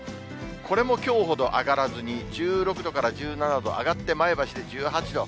これもきょうほど上がらずに、１６度から１７度、上がって前橋で１８度。